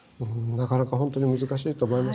なかなか難しいと思います。